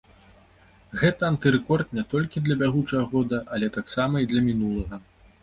Гэта антырэкорд не толькі для бягучага года, але таксама і для мінулага.